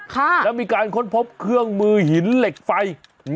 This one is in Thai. แล้วมีการค้นพบเครื่องมือหินเหล็กไฟ